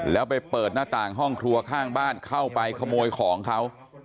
แล้วไปเปิดหน้าต่างห้องครัวข้างบ้านเข้าไปขโมยของเขา